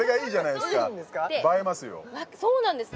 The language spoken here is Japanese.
そうなんです